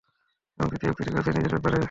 এবং তৃতীয় উক্তিটি করেছিলেন নিজের ব্যাপারে।